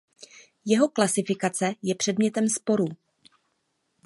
Jeho klasifikace je předmětem sporů.